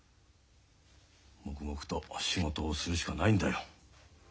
黙々と仕事をするしかないんだよ。